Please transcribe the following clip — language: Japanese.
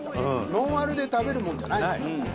ノンアルで食べるものじゃないですから。